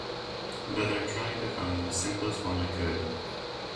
But I tried to find the simplest one I could.